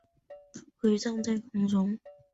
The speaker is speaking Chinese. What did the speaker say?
回荡在空中